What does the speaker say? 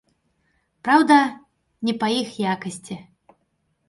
Праўда, не па іх якасці.